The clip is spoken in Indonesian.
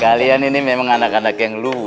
kalian ini memang anak anak yang luas